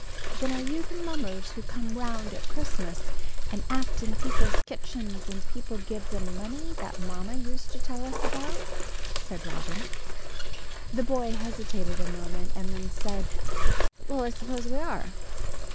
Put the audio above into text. "Then are you the mummers who come round at Christmas, and act in people's kitchens, and people give them money, that mamma used to tell us about?" said Robin. The boy hesitated a moment and then said, "Well, I suppose we are."